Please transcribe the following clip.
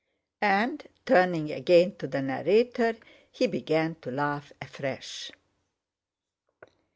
and turning again to the narrator he began to laugh afresh.